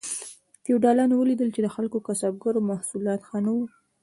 فیوډالانو ولیدل چې د خپلو کسبګرو محصولات ښه نه وو.